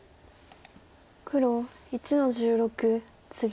黒１の十六ツギ。